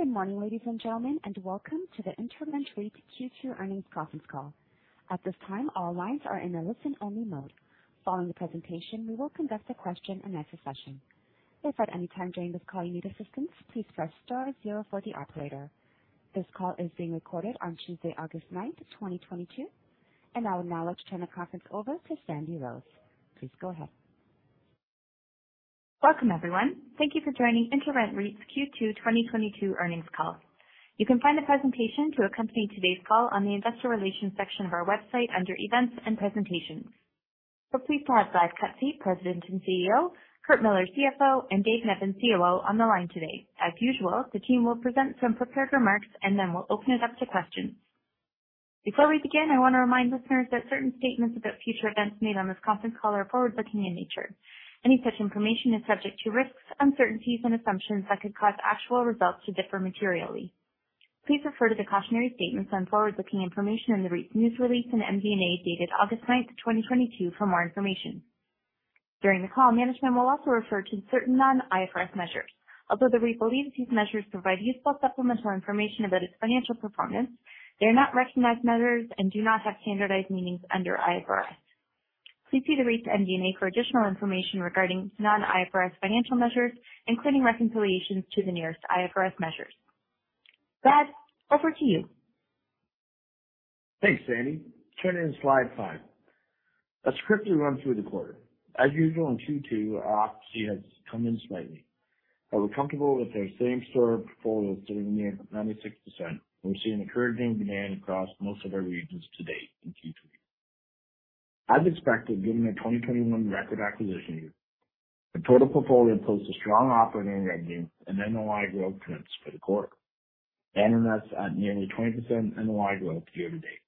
Good morning, ladies and gentlemen, and welcome to the InterRent REIT Q2 earnings conference call. At this time, all lines are in a listen-only mode. Following the presentation, we will conduct a question and answer session. If at any time during this call you need assistance, please press star zero for the operator. This call is being recorded on Tuesday, August 9, 2022. I would now like to turn the conference over to Sandy Rose. Please go ahead. Welcome, everyone. Thank you for joining InterRent REIT's Q2 2022 earnings call. You can find the presentation to accompany today's call on the investor relations section of our website under events and presentations. Please join Brad Cutsey, President and CEO, Curt Millar, CFO, and Dave Nevins, COO, on the line today. As usual, the team will present some prepared remarks, and then we'll open it up to questions. Before we begin, I wanna remind listeners that certain statements about future events made on this conference call are forward-looking in nature. Any such information is subject to risks, uncertainties, and assumptions that could cause actual results to differ materially. Please refer to the cautionary statements on forward-looking information in the REIT's news release in MD&A dated August 9, 2022 for more information. During the call, management will also refer to certain non-IFRS measures. Although the REIT believes these measures provide useful supplemental information about its financial performance, they are not recognized measures and do not have standardized meanings under IFRS. Please see the REIT's MD&A for additional information regarding non-IFRS financial measures, including reconciliations to the nearest IFRS measures. Brad, over to you. Thanks, Sandy. Turning to slide five. Let's quickly run through the quarter. As usual in Q2, our occupancy has come in slightly. We're comfortable with our same-store portfolio sitting near 96%. We're seeing encouraging demand across most of our regions to date in Q3. As expected, given the 2021 record acquisition year, the total portfolio posts a strong operating revenue and NOI growth trends for the quarter, ending us at nearly 20% NOI growth year to date.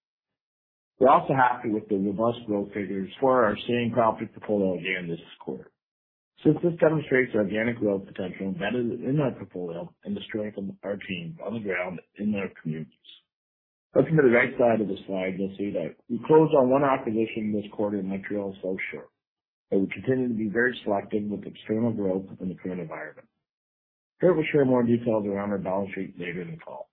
We're also happy with the robust growth figures for our same property portfolio again this quarter, since this demonstrates the organic growth potential embedded in our portfolio and the strength of our teams on the ground in their communities. Looking to the right side of the slide, you'll see that we closed on one acquisition this quarter in Montreal South Shore, and we continue to be very selective with external growth in the current environment. Curt will share more details around our balance sheet later in the call.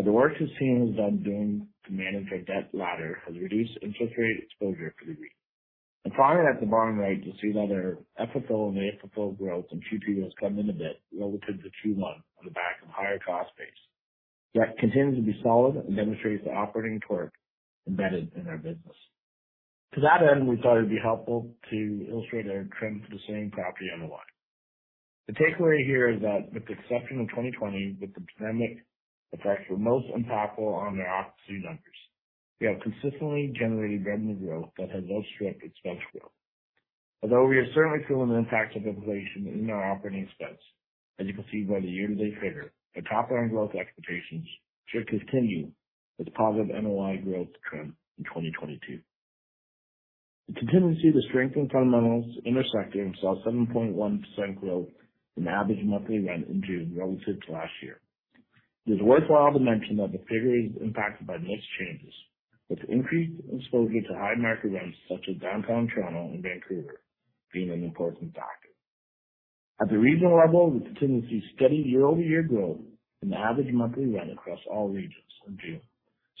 The work his team has done to manage our debt ladder has reduced interest rate exposure for the REIT. Finally, at the bottom right, you'll see that our FFO and AFFO growth in Q2 has come in a bit relative to Q1 on the back of higher cost base, yet continues to be solid and demonstrates the operating torque embedded in our business. To that end, we thought it'd be helpful to illustrate our trend for the same property NOI. The takeaway here is that with the exception of 2020, the pandemic effects were most impactful on our occupancy numbers. We have consistently generated revenue growth that has outstripped expense growth. Although we are certainly feeling the impact of inflation in our operating expense, as you can see by the year-to-date figure, the top line growth expectations should continue this positive NOI growth trend in 2022. The continued strength in fundamentals in our sector, and we saw 7.1% growth in average monthly rent in June relative to last year. It is worthwhile to mention that the figure is impacted by mix changes, with increased exposure to high market rents such as downtown Toronto and Vancouver being an important factor. At the regional level, we continue to see steady year-over-year growth in the average monthly rent across all regions in June,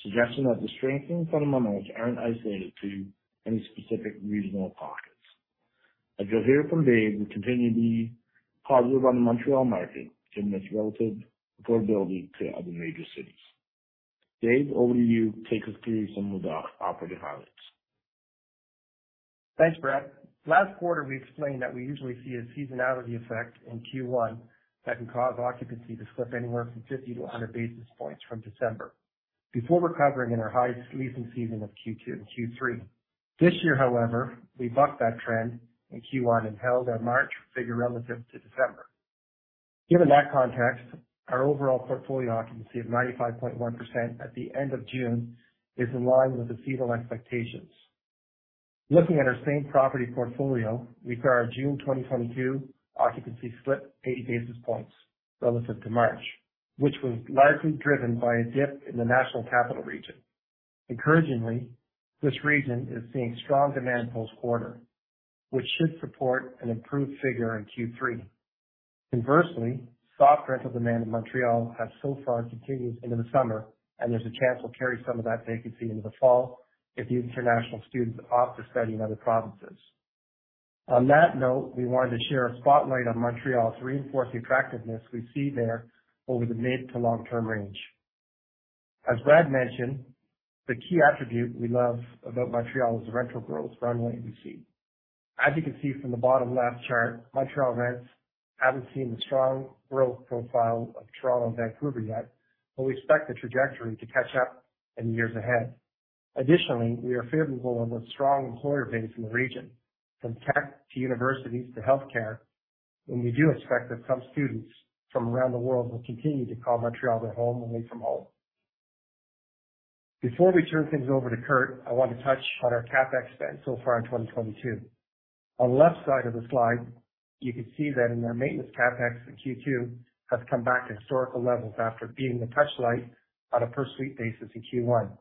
suggesting that the strengthening fundamentals aren't isolated to any specific regional pockets. As you'll hear from Dave, we continue to be positive on the Montreal market, given its relative affordability to other major cities. Dave, over to you. Take us through some of the operating highlights. Thanks, Brad. Last quarter, we explained that we usually see a seasonality effect in Q1 that can cause occupancy to slip anywhere from 50-100 basis points from December before recovering in our highest leasing season of Q2 and Q3. This year, however, we bucked that trend in Q1 and held our March figure relative to December. Given that context, our overall portfolio occupancy of 95.1% at the end of June is in line with the seasonal expectations. Looking at our same property portfolio, we saw our June 2022 occupancy slip 80 basis points relative to March, which was largely driven by a dip in the National Capital Region. Encouragingly, this region is seeing strong demand post-quarter, which should support an improved figure in Q3. Inversely, soft rental demand in Montreal has so far continued into the summer, and there's a chance we'll carry some of that vacancy into the fall if the international students opt to study in other provinces. On that note, we wanted to share a spotlight on Montreal to reinforce the attractiveness we see there over the mid to long-term range. As Brad mentioned, the key attribute we love about Montreal is the rental growth runway we see. As you can see from the bottom left chart, Montreal rents haven't seen the strong growth profile of Toronto and Vancouver yet, but we expect the trajectory to catch up in years ahead. Additionally, we are favorable on the strong employer base in the region, from tech to universities to healthcare, and we do expect that some students from around the world will continue to call Montreal their home away from home. Before we turn things over to Curt, I want to touch on our CapEx spend so far in 2022. On the left side of the slide, you can see that in our maintenance CapEx in Q2 has come back to historical levels after being a touch light on a per suite basis in Q1,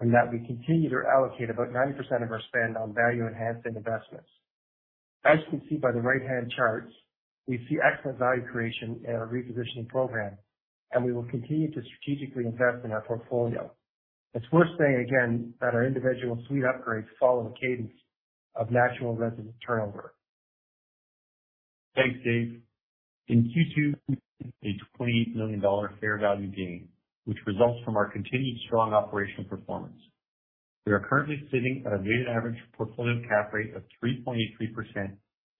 and that we continue to allocate about 90% of our spend on value-enhancing investments. As you can see by the right-hand charts, we see excellent value creation in our repositioning program, and we will continue to strategically invest in our portfolio. It's worth saying again that our individual suite upgrades follow the cadence of natural resident turnover. Thanks, Dave. In Q2, we had a 28 million dollar fair value gain, which results from our continued strong operational performance. We are currently sitting at a weighted average portfolio cap rate of 3.83%,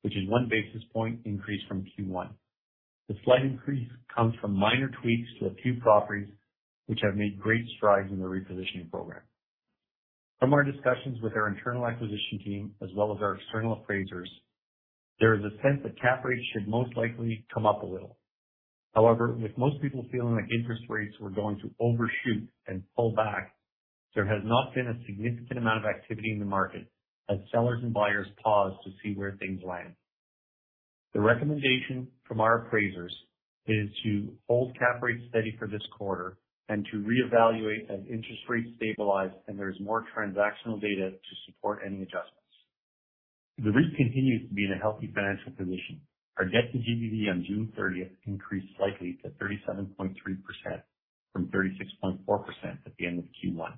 which is one basis point increase from Q1. The slight increase comes from minor tweaks to a few properties which have made great strides in the repositioning program. From our discussions with our internal acquisition team as well as our external appraisers, there is a sense that cap rates should most likely come up a little. However, with most people feeling like interest rates were going to overshoot and pull back, there has not been a significant amount of activity in the market as sellers and buyers pause to see where things land. The recommendation from our appraisers is to hold cap rates steady for this quarter and to reevaluate as interest rates stabilize and there is more transactional data to support any adjustments. The REIT continues to be in a healthy financial position. Our debt-to-GBV on June thirtieth increased slightly to 37.3% from 36.4% at the end of Q1.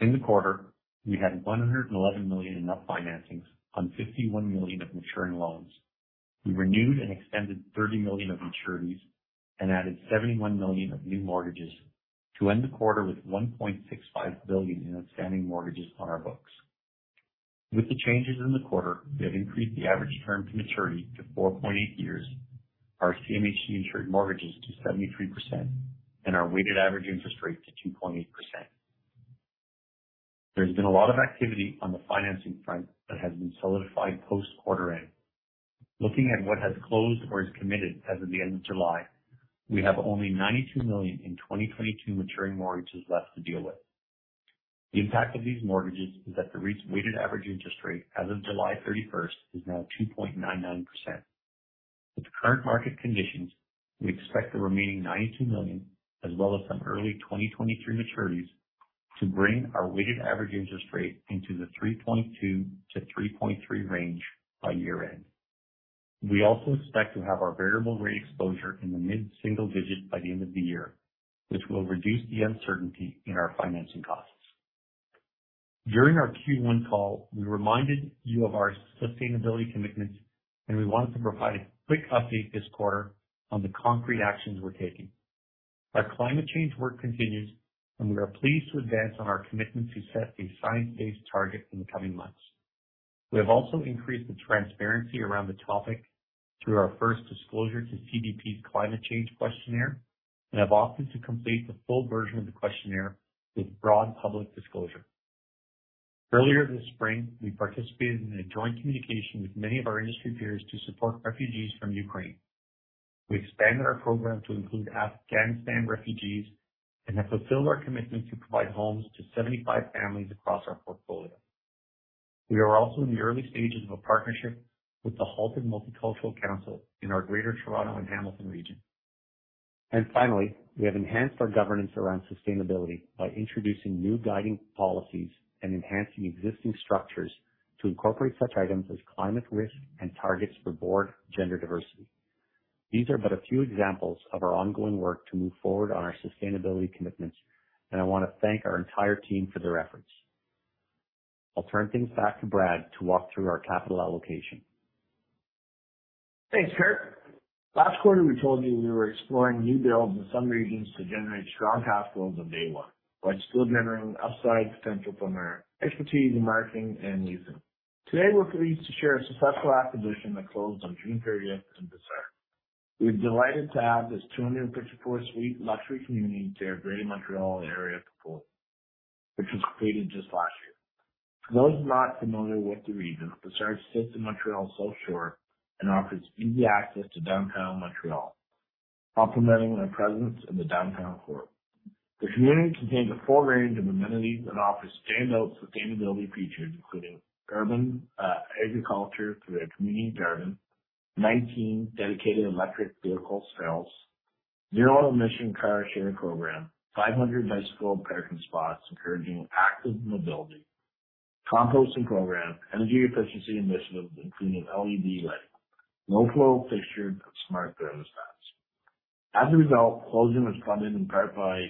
In the quarter, we had 111 million in net financings on 51 million of maturing loans. We renewed and extended 30 million of maturities and added 71 million of new mortgages to end the quarter with 1.65 billion in outstanding mortgages on our books. With the changes in the quarter, we have increased the average term to maturity to 4.8 years, our CMHC insured mortgages to 73%, and our weighted average interest rate to 2.8%. There's been a lot of activity on the financing front that has been solidified post quarter end. Looking at what has closed or is committed as of the end of July, we have only 92 million in 2022 maturing mortgages left to deal with. The impact of these mortgages is that the REIT's weighted average interest rate as of July 31 is now 2.99%. With the current market conditions, we expect the remaining 92 million as well as some early 2023 maturities to bring our weighted average interest rate into the 3.2%-3.3% range by year end. We also expect to have our variable rate exposure in the mid-single digits by the end of the year, which will reduce the uncertainty in our financing costs. During our Q1 call, we reminded you of our sustainability commitments, and we wanted to provide a quick update this quarter on the concrete actions we're taking. Our climate change work continues, and we are pleased to advance on our commitment to set a science-based target in the coming months. We have also increased the transparency around the topic through our first disclosure to CDP's climate change questionnaire and have opted to complete the full version of the questionnaire with broad public disclosure. Earlier this spring, we participated in a joint communication with many of our industry peers to support refugees from Ukraine. We expanded our program to include Afghanistan refugees and have fulfilled our commitment to provide homes to 75 families across our portfolio. We are also in the early stages of a partnership with the Halton Multicultural Council in our Greater Toronto and Hamilton region. Finally, we have enhanced our governance around sustainability by introducing new guiding policies and enhancing existing structures to incorporate such items as climate risk and targets for board gender diversity. These are but a few examples of our ongoing work to move forward on our sustainability commitments, and I wanna thank our entire team for their efforts. I'll turn things back to Brad to walk through our capital allocation. Thanks, Curt. Last quarter, we told you we were exploring new builds in some regions to generate strong cash flows on day one while still generating upside potential from our expertise in marketing and leasing. Today, we're pleased to share a successful acquisition that closed on June thirtieth in Brossard. We're delighted to add this 254-suite luxury community to our Greater Montreal area portfolio, which was created just last year. For those not familiar with the region, Brossard sits in Montreal South Shore and offers easy access to downtown Montreal, complementing our presence in the downtown core. The community contains a full range of amenities and offers standout sustainability features, including urban agriculture through a community garden, 19 dedicated electric vehicle stalls, zero-emission car share program, 500 bicycle parking spots encouraging active mobility, composting program, energy efficiency initiatives including LED lighting, low-flow fixtures, and smart thermostats. As a result, closing was funded in part by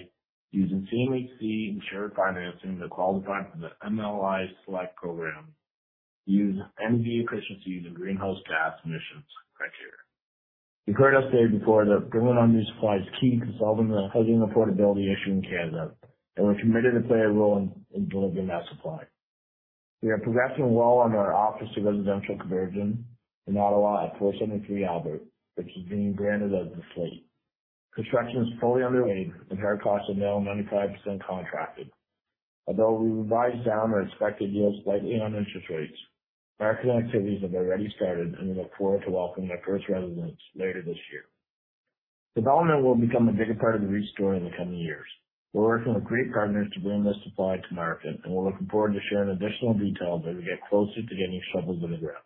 using CMHC insured financing to qualify for the MLI Select program, use energy efficiencies and greenhouse gas emissions criteria. You've heard us say before that building on new supply is key to solving the housing affordability issue in Canada, and we're committed to play a role in delivering that supply. We are progressing well on our office to residential conversion in Ottawa at 473 Albert, which is being branded as The Slate. Construction is fully underway, and current costs are now 95% contracted. Although we revised down our expected yield slightly on interest rates, marketing activities have already started, and we look forward to welcome their first residents later this year. Development will become a bigger part of the REIT story in the coming years. We're working with great partners to bring this supply to market, and we're looking forward to sharing additional details as we get closer to getting shovels in the ground.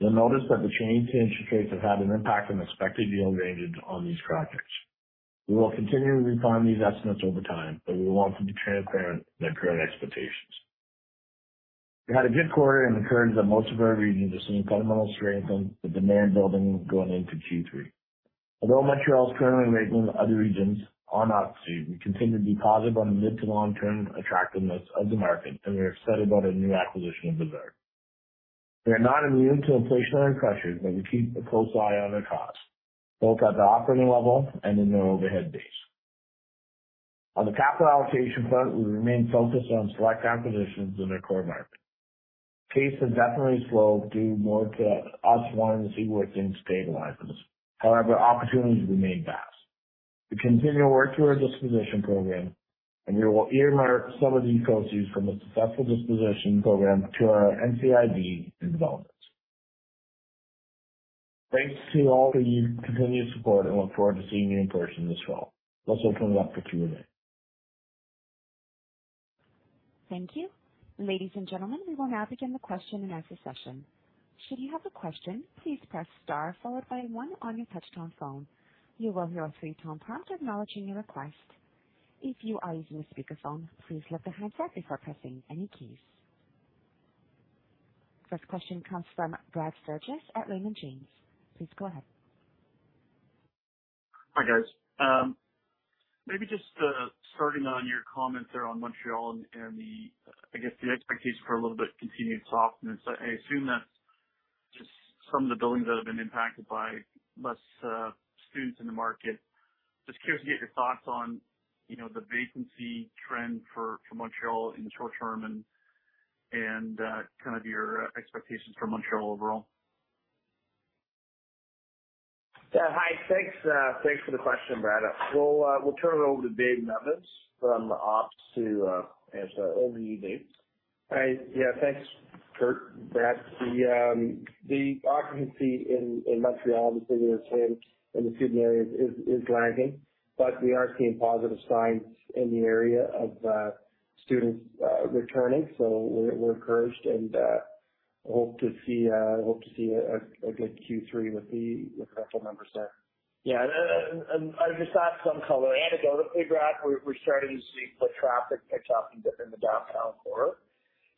You'll notice that the change in interest rates have had an impact on expected yield ranges on these projects. We will continue to refine these estimates over time, but we want them to be transparent in their current expectations. We had a good quarter and are encouraged that most of our regions are seeing fundamental strength and demand building going into Q3. Although Montreal is currently lagging, other regions are not. We continue to be positive on the mid- to long-term attractiveness of the market, and we are excited about a new acquisition of Brossard. We are not immune to inflationary pressures, but we keep a close eye on our costs, both at the operating level and in the overhead base. On the capital allocation front, we remain focused on select acquisitions in our core markets. Pace has definitely slowed due more to us wanting to see where things stabilize. However, opportunities remain vast. We continue to work through our disposition program, and we will earmark some of these proceeds from the successful disposition program to our NCIB and development. Thanks to you all for your continued support. I look forward to seeing you in person this fall. Let's open it up for Q&A. Thank you. Ladies and gentlemen, we will now begin the question and answer session. Should you have a question, please press star followed by one on your touch-tone phone. You will hear a three-tone prompt acknowledging your request. If you are using a speakerphone, please lift the handset before pressing any keys. First question comes from Brad Sturges at Raymond James. Please go ahead. Hi, guys. Maybe just starting on your comments there on Montreal and the, I guess, the expectation for a little bit continued softness. I assume that's just some of the buildings that have been impacted by less students in the market. Just curious to get your thoughts on, you know, the vacancy trend for Montreal in the short term and kind of your expectations for Montreal overall. Yeah. Hi. Thanks for the question, Brad. We'll turn it over to Dave Nevins from ops to answer. Over to you, Dave. Hi. Yeah, thanks, Curt. Brad. The occupancy in Montreal, obviously the same in the student areas is lagging, but we are seeing positive signs in the area of students returning. We're encouraged and hope to see a good Q3 with the rental numbers there. Yeah. I just add some color anecdotally, Brad. We're starting to see foot traffic pick up in the downtown core,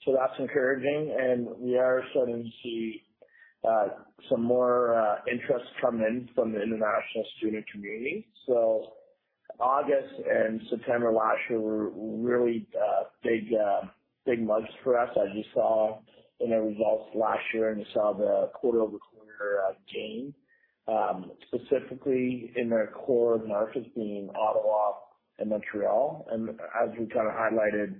so that's encouraging. We are starting to see some more interest come in from the international student community. August and September last year were really big months for us as you saw in our results last year, and you saw the quarter-over-quarter gain specifically in our core markets being Ottawa and Montreal. As we kind of highlighted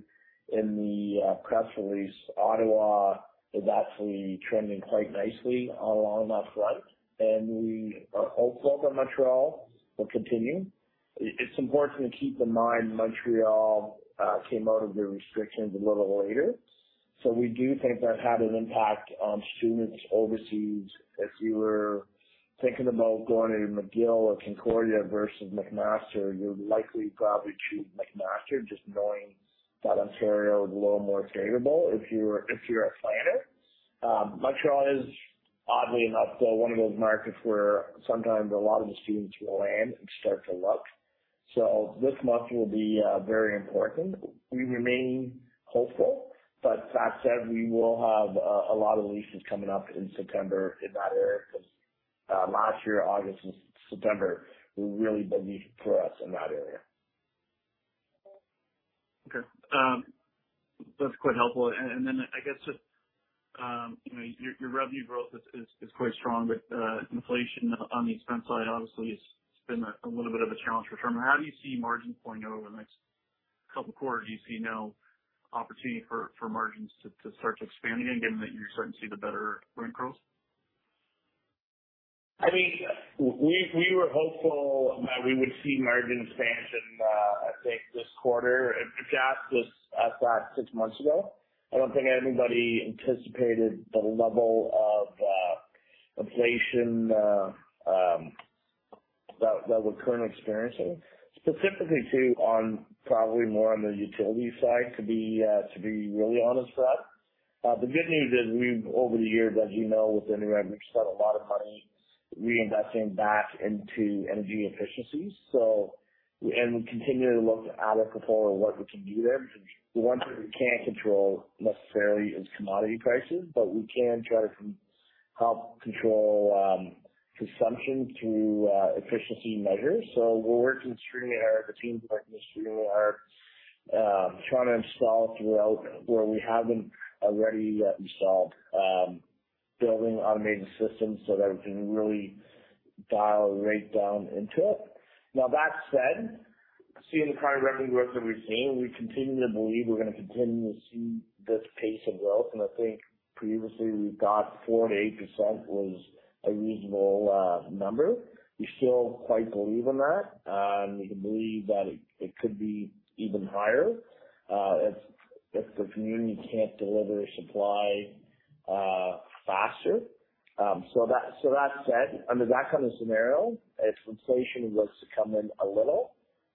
in the press release, Ottawa is actually trending quite nicely along that front, and we are hopeful that Montreal will continue. It's important to keep in mind Montreal came out of their restrictions a little later, so we do think that had an impact on students overseas. If you were thinking about going to McGill or Concordia versus McMaster, you'd likely probably choose McMaster just knowing that Ontario is a little more favorable if you're a planner. Montreal is, oddly enough, though, one of those markets where sometimes a lot of the students will land and start to look. This month will be very important. We remain hopeful, but that said, we will have a lot of leases coming up in September in that area because last year, August and September were really big weeks for us in that area. Okay. That's quite helpful. I guess just, you know, your revenue growth is quite strong with inflation on the expense side obviously. It's been a little bit of a challenge for the firm. How do you see margins playing out over the next couple quarters? Do you see any opportunity for margins to start to expand again, given that you're starting to see the better rent growth? I mean, we were hopeful that we would see margin expansion, I think this quarter. If you'd asked us that six months ago, I don't think anybody anticipated the level of inflation that we're currently experiencing specifically, too, on probably more on the utility side, to be really honest, Brad. The good news is we've over the years, as you know, within InterRent, we've spent a lot of money reinvesting back into energy efficiencies. We continue to look at our portfolio and what we can do there. The one thing we can't control necessarily is commodity prices, but we can try to help control consumption through efficiency measures. We're working through the teams working through our trying to install throughout where we haven't already installed building automated systems so that we can really dial right down into it. Now that said, seeing the kind of revenue growth that we've seen, we continue to believe we're gonna continue to see this pace of growth. I think previously we thought 4%-8% was a reasonable number. We still quite believe in that, we believe that it could be even higher if the community can't deliver supply faster. So that said, under that kind of scenario, if inflation was to come in a little,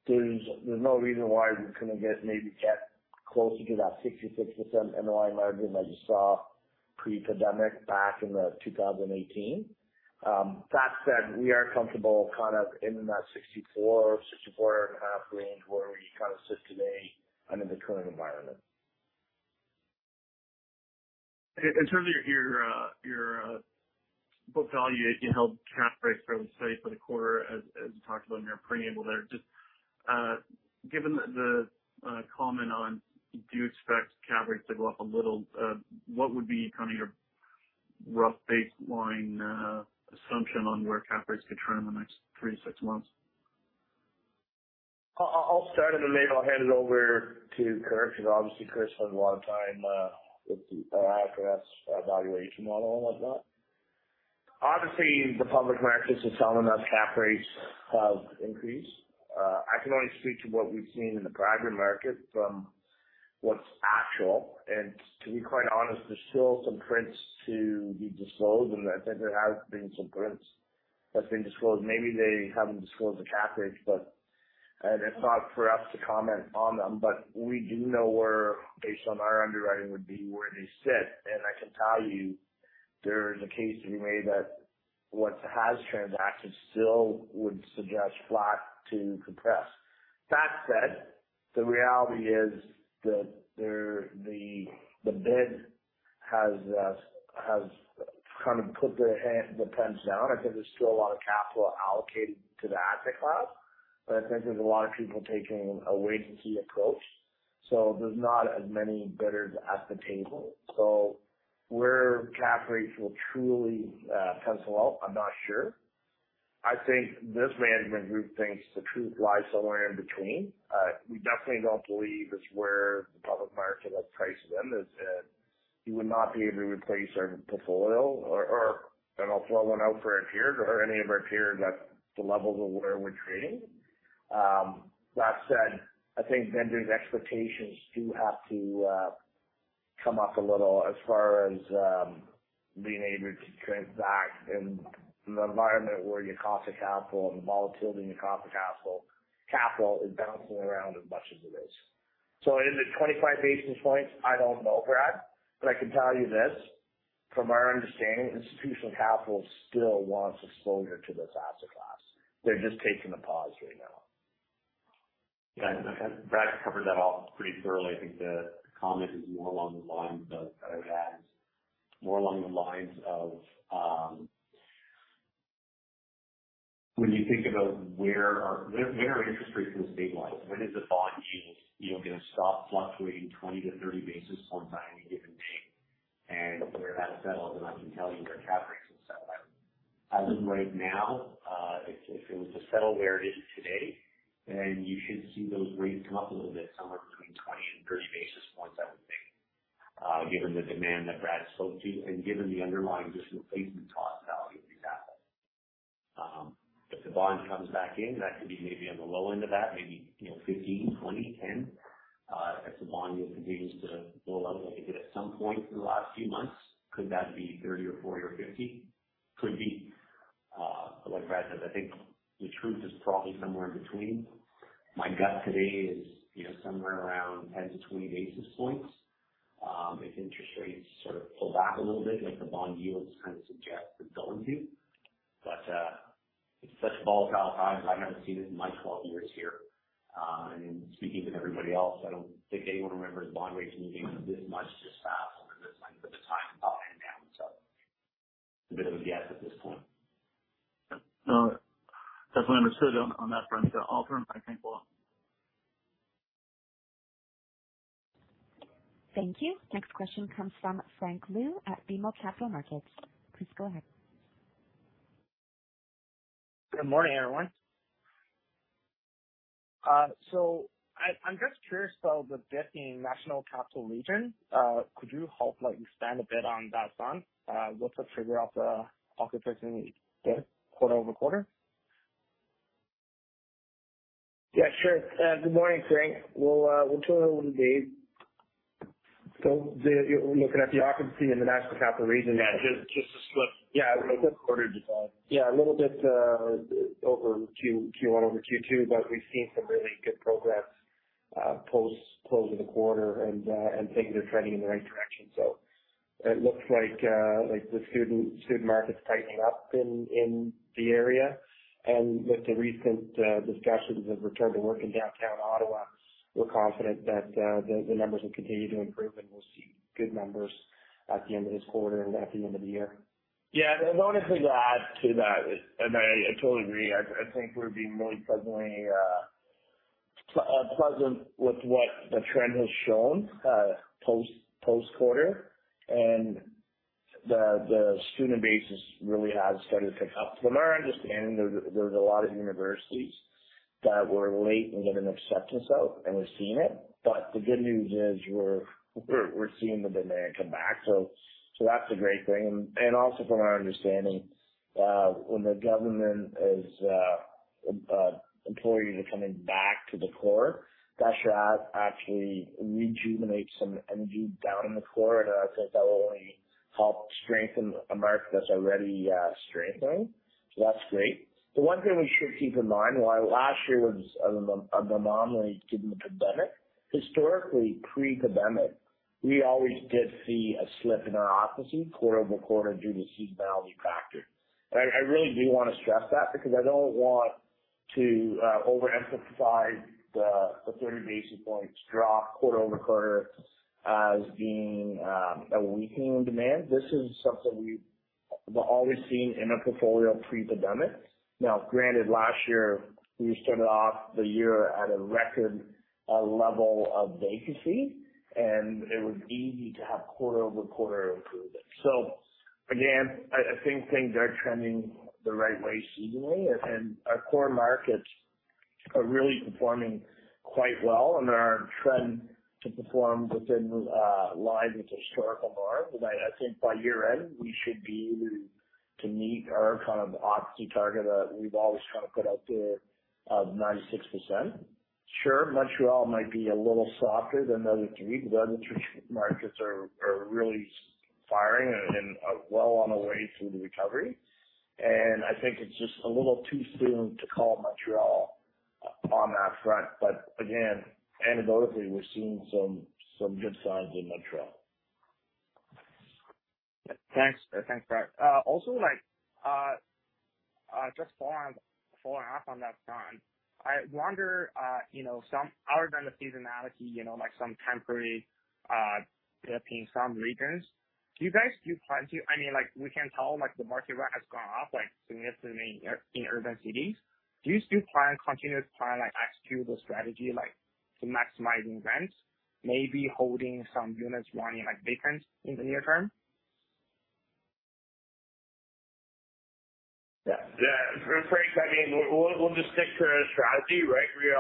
there's no reason why we couldn't get closer to that 66% NOI margin that you saw pre-pandemic back in 2018. That said, we are comfortable kind of in that 64%-64.5% range where we kind of sit today under the current environment. In terms of your book value, you held cap rates fairly steady for the quarter as you talked about in your preamble there. Just given the comment on do you expect cap rates to go up a little, what would be kind of your rough baseline assumption on where cap rates could turn in the next three to six months? I'll start and then maybe I'll hand it over to Curt, because obviously Curt spends a lot of time with the IFRS valuation model and whatnot. Obviously, the public markets is telling us cap rates have increased. I can only speak to what we've seen in the private market from what's actual. To be quite honest, there's still some prints to be disclosed. I think there have been some prints that's been disclosed. Maybe they haven't disclosed the cap rates, but. It's not for us to comment on them. We do know where, based on our underwriting, would be where they sit. I can tell you there is a case to be made that what has transacted still would suggest flat to compressed. That said, the reality is that the bid has kind of put their pens down. I think there's still a lot of capital allocated to the asset class, but I think there's a lot of people taking a wait-and-see approach. So there's not as many bidders at the table. So where cap rates will truly pencil out, I'm not sure. I think this management group thinks the truth lies somewhere in between. We definitely don't believe it's where the public market has priced them. As in you would not be able to replace our portfolio or and I'll throw one out for a peer or any of our peers at the levels of where we're trading. That said, I think vendors expectations do have to come up a little as far as being able to transact in an environment where your cost of capital and the volatility in your cost of capital is bouncing around as much as it is. Is it 25 basis points? I don't know, Brad, but I can tell you this, from our understanding, institutional capital still wants exposure to this asset class. They're just taking a pause right now. Yeah, Brad covered that all pretty thoroughly. I think the comment is more along the lines of when you think about where are interest rates going to stabilize, when is the bond yields, you know, going to stop fluctuating 20-30 basis points on any given day? Where that settles, and I can tell you where cap rates will settle. As of right now, if it was to settle where it is today, then you should see those rates come up a little bit, somewhere between 20 and 30 basis points, I would think, given the demand that Brad spoke to and given the underlying just replacement cost value of these assets. If the bond comes back in, that could be maybe on the low end of that maybe, you know, 15, 20, 10. If the bond yield continues to blow out like it did at some point in the last few months, could that be 30 or 40 or 50? Could be. Like Brad said, I think the truth is probably somewhere in between. My gut today is, you know, somewhere around 10-20 basis points. If interest rates sort of pull back a little bit, like the bond yields kind of suggest it's going to. It's such a volatile time. I haven't seen it in my 12 years here. Speaking to everybody else, I don't think anyone remembers bond rates moving this much, this fast over this length of a time, up and down. It's a bit of a guess at this point. No, definitely understood on that front. I'll turn it back to Nicole. Thank you. Next question comes from Frank Liu at BMO Capital Markets. Please go ahead. Good morning, everyone. I'm just curious about the dip in National Capital Region. Could you help like expand a bit on that front? What's the trigger of the occupancy dip quarter over quarter? Yeah, sure. Good morning, Frank. We'll turn it over to Dave. Looking at the occupancy in the National Capital Region. Yeah. Just a split. Yeah. Quarter-over-quarter. Yeah, a little bit over Q1 over Q2, but we've seen some really good progress post close of the quarter. Things are trending in the right direction. It looks like the student market's tightening up in the area. With the recent discussions of return to work in downtown Ottawa, we're confident that the numbers will continue to improve, and we'll see good numbers at the end of this quarter and at the end of the year. Yeah. I wanted to add to that. I totally agree. I think we're being really pleasantly pleasant with what the trend has shown post-quarter. The student base really has started to pick up. From our understanding, there's a lot of universities that were late in getting acceptance out, and we're seeing it. The good news is we're seeing the demand come back. That's a great thing. Also from our understanding, when the government employees are coming back to the core, that should actually rejuvenate some energy down in the core. I think that will only help strengthen a market that's already strengthening. That's great. The one thing we should keep in mind, while last year was an anomaly given the pandemic, historically pre-pandemic, we always did see a slip in our occupancy quarter-over-quarter due to seasonality factors. I really do wanna stress that because I don't want to overemphasize the 30 basis points drop quarter-over-quarter as being a weakening in demand. This is something we've always seen in our portfolio pre-pandemic. Now, granted, last year, we started off the year at a record level of vacancy, and it was easy to have quarter-over-quarter improvement. I think things are trending the right way seasonally, and our core markets are really performing quite well. They are on trend to perform in line with historical norms. I think by year-end, we should be able to meet our kind of ops target that we've always kind of put out there of 96%. Sure, Montreal might be a little softer than the other three. The other three markets are really firing and are well on the way through the recovery. I think it's just a little too soon to call Montreal on that front. Again, anecdotally, we're seeing some good signs in Montreal. Thanks. Thanks, Brad. Also like, just following up on that front. I wonder, you know, something other than the seasonality, you know, like some temporary dip in some regions. I mean, like, we can tell, like the market rent has gone up, like significantly in urban cities. Do you still plan, continue to plan, like execute the strategy like to maximizing rents, maybe holding some units running like vacant in the near term? Yeah. Yeah. For Frank, I mean, we'll just stick to our strategy, right? We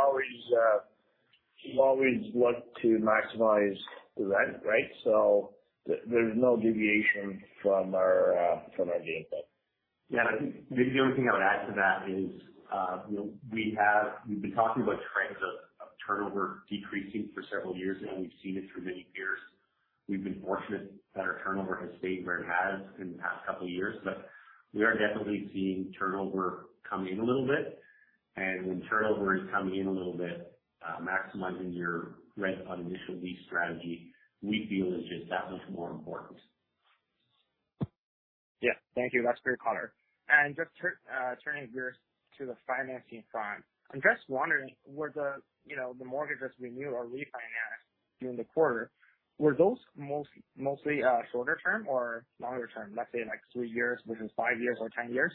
always look to maximize the rent, right? There's no deviation from our game plan. Yeah. I think maybe the only thing I would add to that is, you know, we've been talking about trends of turnover decreasing for several years now, and we've seen it for many years. We've been fortunate that our turnover has stayed where it has in the past couple of years. We are definitely seeing turnover come in a little bit. When turnover is coming in a little bit, maximizing your rent on initial lease strategy, we feel is just that much more important. Yeah. Thank you. That's great color. Just turning gears to the financing front. I'm just wondering where the, you know, the mortgages renewed or refinanced during the quarter, were those mostly shorter term or longer term, let's say like three years versus five years or 10 years?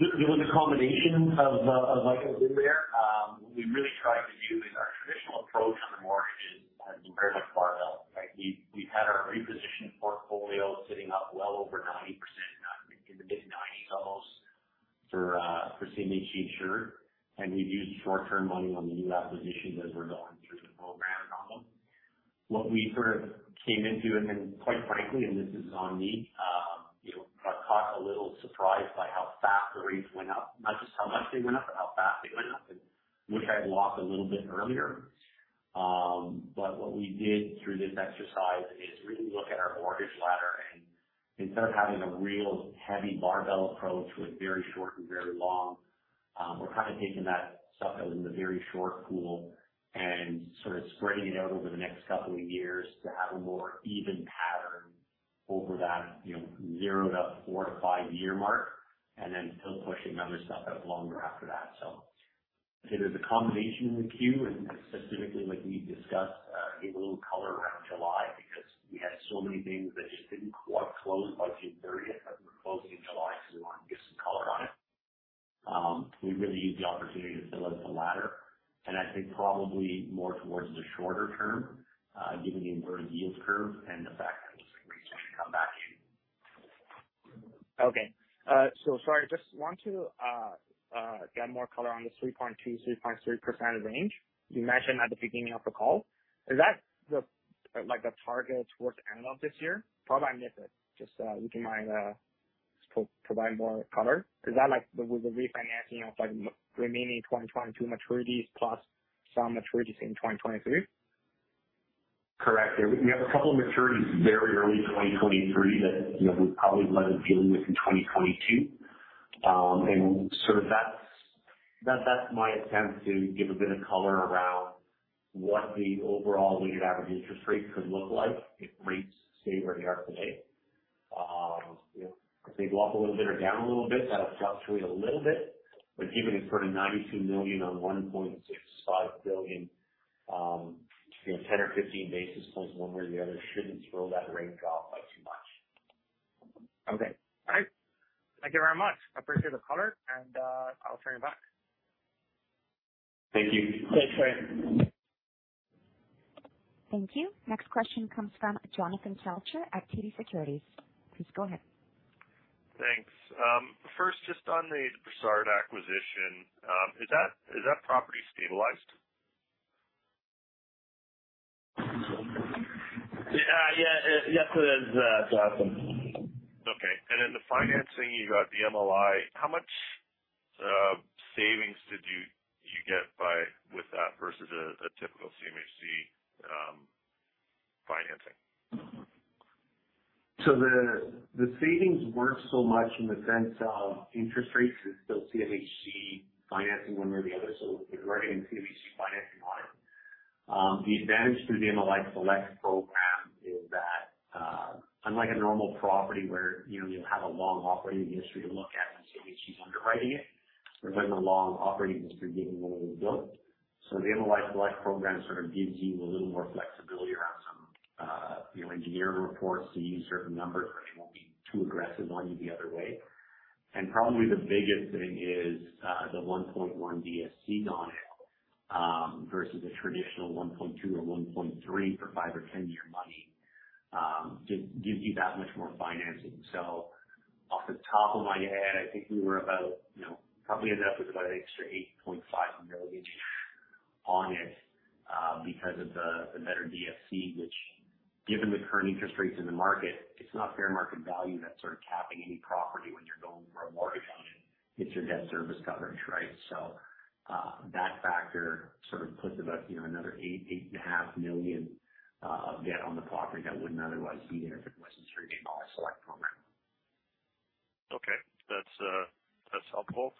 It was a combination of what goes in there. What we really tried to do is our traditional approach on the mortgages has been very much barbell, right? We've had our repositioned portfolio sitting at well over 90%, in the mid-90s almost for CMHC insured. We've used short-term money on the new acquisitions as we're going through the program on them. What we sort of came into, and then quite frankly, and this is on me, you know, got caught a little surprised by how fast the rates went up, not just how much they went up, but how fast they went up. Wish I had locked a little bit earlier. What we did through this exercise is really look at our mortgage ladder and instead of having a real heavy barbell approach with very short and very long, we're kind of taking that stuff that was in the very short pool and sort of spreading it out over the next couple of years to have a more even pattern over that, you know, zero to four to five-year mark and then still pushing other stuff out longer after that. I'd say there's a combination in the queue. Specifically, like we discussed, gave a little color around July because we had so many things that just didn't quite close by June thirtieth that were closing in July, so we wanted to give some color on it. We really used the opportunity to fill out the ladder. I think probably more towards the shorter term, given the inverted yield curve and the fact that those rates should come back soon. Okay. Sorry, I just want to get more color on the 3.2%-3.3% range you mentioned at the beginning of the call. Is that the, like, the target towards the end of this year? Probably I missed it. Just, would you mind providing more color? Is that like the refinancing of like remaining 2022 maturities plus some maturities in 2023? Correct. We have a couple maturities very early 2023 that, you know, we probably would have been dealing with in 2022. Sort of that's my attempt to give a bit of color around what the overall weighted average interest rate could look like if rates stay where they are today. You know, if they go up a little bit or down a little bit, that'll fluctuate a little bit. Given it's sort of 92 million on 1.65 billion, you know, ten or fifteen basis points one way or the other shouldn't throw that range off by too much. Okay. All right. Thank you very much. I appreciate the color, and I'll turn it back. Thank you. Thanks, Frank. Thank you. Next question comes from Jonathan Kelcher at TD Securities. Please go ahead. Thanks. First, just on the Brossard acquisition, is that property stabilized? Yeah. Yeah, it is, Jonathan. Okay. The financing, you got the MLI. How much savings with that versus a typical CMHC financing? The savings weren't so much in the sense of interest rates, it's still CMHC financing one way or the other. We're running a CMHC financing model. The advantage through the MLI Select program is that, unlike a normal property where, you know, you'll have a long operating history to look at when CMHC's underwriting it, there wasn't a long operating history given when it was built. The MLI Select program sort of gives you a little more flexibility around some, you know, engineering reports to use certain numbers where they won't be too aggressive one way or the other way. Probably the biggest thing is, the 1.1 DSC on it, versus a traditional 1.2 or 1.3 for five or 10-year money, gives you that much more financing. Off the top of my head, I think we were about, you know, probably ended up with about an extra 8.5 million on it, because of the better DSC, which given the current interest rates in the market, it's not fair market value that's sort of capping any property when you're going for a mortgage on it. It's your debt service coverage, right? That factor sort of puts about, you know, another 8.5 million debt on the property that wouldn't otherwise be there if it wasn't for the MLI Select program. Okay. That's helpful.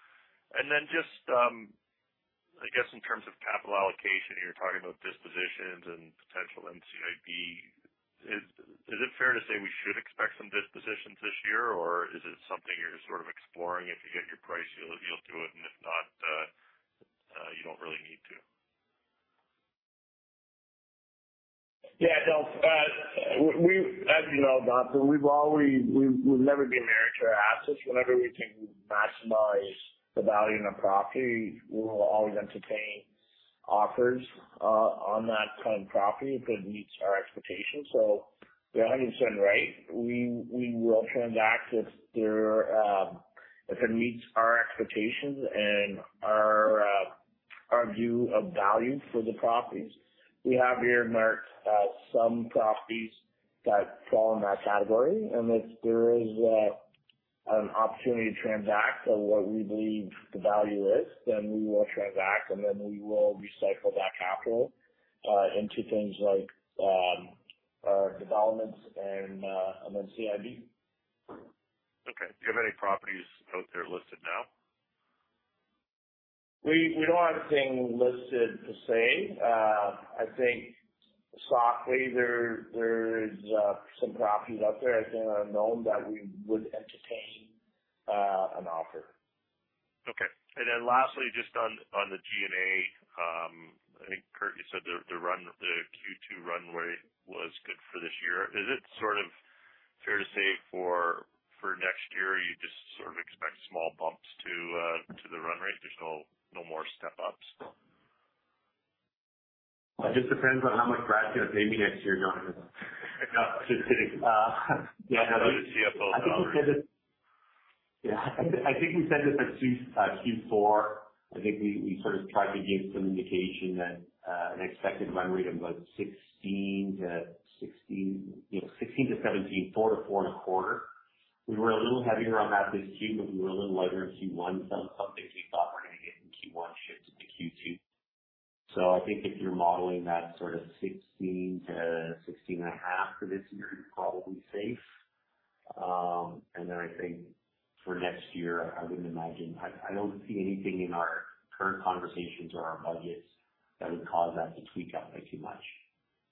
Then just, I guess in terms of capital allocation, you're talking about dispositions and potential NCIB. Is it fair to say we should expect some dispositions this year, or is it something you're sort of exploring? If you get your price, you'll do it, and if not, you don't really need to. As you know, Jonathan, we've never been married to our assets. Whenever we can maximize the value in a property, we will always entertain offers on that kind of property if it meets our expectations. You're 100% right. We will transact if it meets our expectations and our view of value for the properties. We have earmarked some properties that fall in that category. If there is an opportunity to transact at what we believe the value is, then we will transact, and then we will recycle that capital into things like developments and then NCIB. Okay. Do you have any properties out there listed now? We don't have anything listed per se. I think sort of there is some properties out there that are known that we would entertain an offer. Okay. Lastly, just on the G&A, I think, Curt, you said the Q2 run rate was good for this year. Is it sort of fair to say for next year you just sort of expect small bumps to the run rate? There's no more step-ups? It just depends on how much Brad's gonna pay me next year, Jonathan. Just kidding. Yeah, no. The CFO salary. I think we said it. Yeah. I think we said this at Q4. I think we sort of tried to give some indication that an expected run rate of about 16-16, you know, 16-17, 4-4.25. We were a little heavier on that this Q, but we were a little lighter in Q1. Some things we thought we're gonna get in Q1 shifted to Q2. I think if you're modeling that sort of 16-16.5 for this year, you're probably safe. I think for next year, I wouldn't imagine. I don't see anything in our current conversations or our budgets that would cause us to tweak that by too much.